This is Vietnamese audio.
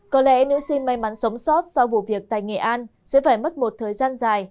có lẽ nữ xin may mắn sống sót sau vụ việc tại nghệ an sẽ phải mất một thời gian dài